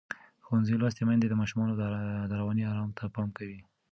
ښوونځې لوستې میندې د ماشومانو رواني آرام ته پام کوي.